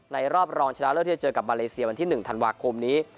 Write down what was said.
รอบรองชนะเลิศที่จะเจอกับมาเลเซียวันที่๑ธันวาคมนี้